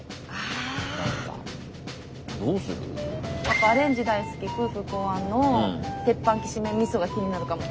やっぱ「アレンジ大好き夫婦考案」の「鉄板×きしめん×みそ」が気になるかも。